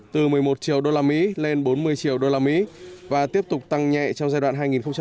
từ một mươi một triệu đô la mỹ lên bốn mươi triệu đô la mỹ và tiếp tục tăng nhẹ trong giai đoạn hai nghìn một mươi ba hai nghìn một mươi năm